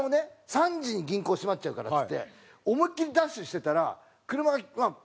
３時に銀行閉まっちゃうからっつって思いっきりダッシュしてたら車が。